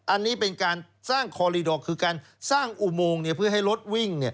อันนี้เป็นการสร้างคอลีดอร์คือการสร้างอุโมงเพื่อให้รถวิ่ง